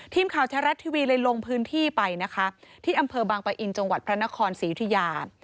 ทีมข่าวแท้รัฐทีวีเลยลงพื้นที่ไปนะคะที่อำเภอบางปะอินจังหวัดพระนครศรียุธิยา